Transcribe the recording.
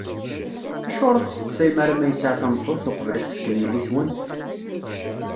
Acuɣer ur testeqsayem ara ma yesɛa tameṭṭut, uqbel ad as-tefkem yellitwen?